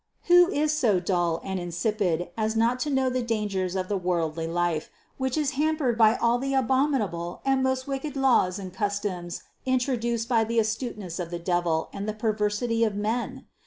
Who is so dull and insipid as not to know the dangers of the worldly life, which is ham pered by all the abominable and most wicked laws and customs introduced by the astuteness of the devil and the perversity of men?